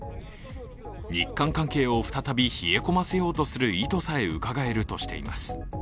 日韓関係を再び冷え込ませようとする意図さえうかがえるとしています。